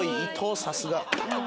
さすが！